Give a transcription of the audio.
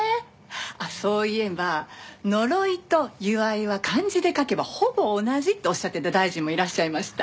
あっそういえば「“呪い”と“祝い”は漢字で書けばほぼ同じ」っておっしゃってた大臣もいらっしゃいました。